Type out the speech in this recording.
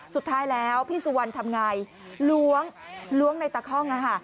สุดท้ายแล้วพี่สุวรรณทำอย่างไรล้วงล้วงในตะข้องนะคะ